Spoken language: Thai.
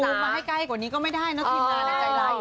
ซูมมาให้ใกล้กว่านี้ก็ไม่ได้นะทีมน้า